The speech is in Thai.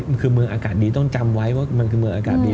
มันคือเมืองอากาศดีต้องจำไว้ว่ามันคือเมืองอากาศดี